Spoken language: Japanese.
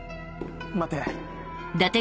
待て。